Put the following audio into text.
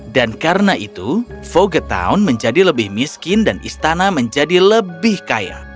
dan karena itu foggetown menjadi lebih miskin dan istana menjadi lebih kaya